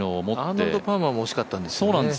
アーノルド・パーマーも欲しかったんでよね。